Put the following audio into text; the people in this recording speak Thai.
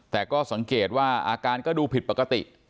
แต่ก็สังเกตว่าอาการก็ดูผิดปกติ